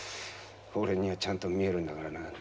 俺にはちゃんと見えるんだからな。